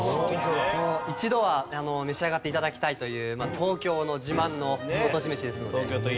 一度は召し上がって頂きたいという東京の自慢のご当地めしですので。